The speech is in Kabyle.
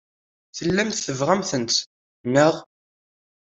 Tellamt tebɣamt-tt, naɣ?